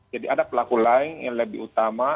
jadi ada pelaku lain yang lebih utama